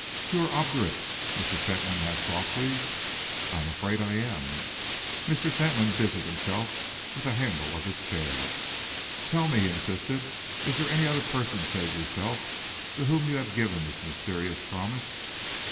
"You are obdurate?" Mr. Fentolin asked softly. "I am afraid I am." Mr. Fentolin busied himself with the handle of his chair. "Tell me," he insisted, "is there any other person save yourself to whom you have given this mysterious promise?"